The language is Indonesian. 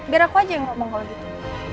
biar aku aja yang ngomong kalau gitu